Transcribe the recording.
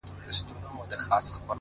ستا د رخسار خبري ډيري ښې دي،